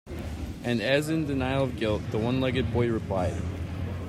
And as in denial of guilt, the one-legged boy replied.